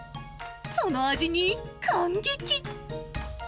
その味に感激。